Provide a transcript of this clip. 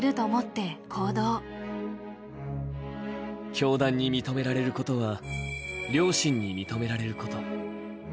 教団に認められることは両親に認められること。